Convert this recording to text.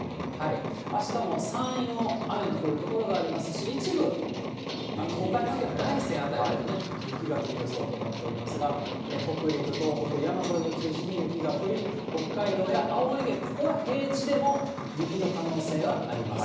あしたも山陰も雨の降る所がありますし、一部、岡山県の大山辺りでもね、雪が降る予想となっておりますが、北陸、東北、山沿いを中心に雪が降り、北海道や青森県、ここは平地でも雪の可能性があります。